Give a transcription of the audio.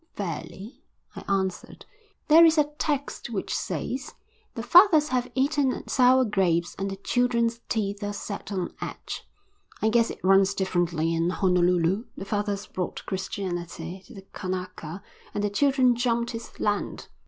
"Fairly," I answered. "There is a text which says: The fathers have eaten sour grapes and the children's teeth are set on edge. I guess it runs differently in Honolulu. The fathers brought Christianity to the Kanaka and the children jumped his land."